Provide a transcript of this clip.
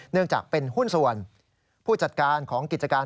เนื่องจากเป็นหุ้นส่วนผู้จัดการของกิจการ